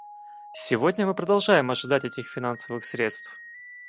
Сегодня мы продолжаем ожидать этих финансовых средств.